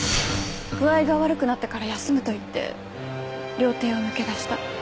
具合が悪くなったから休むと言って料亭を抜け出した。